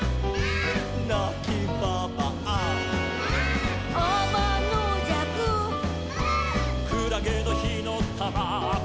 「なきばばあ」「」「あまのじゃく」「」「くらげのひのたま」「」